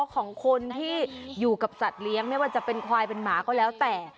ของคนที่อยู่กับสัตว์เลี้ยงไม่ว่าจะเป็นควายเป็นหมาก็แล้วแต่